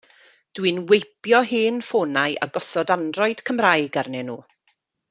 Dw i'n weipio hen ffonau a gosod Android Cymraeg arnyn nhw.